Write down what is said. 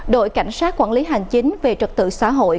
đội cảnh sát quản lý hành chính về trật tự xã hội